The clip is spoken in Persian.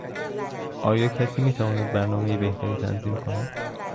آیا کسی میتواند برنامهی بهتری تنظیم کند؟